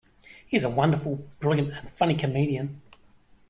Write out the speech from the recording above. He is a wonderful, brilliant and funny comedian.